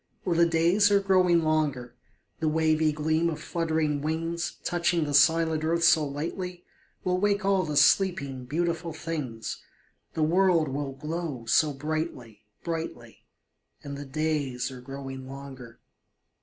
Oh, the days are growing longer, The wavy gleam of fluttering wings, Touching the silent earth so lightly, Will wake all the sleeping, beautiful things, The world will glow so brightly brightly; And the days are growing longer.